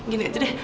gini aja deh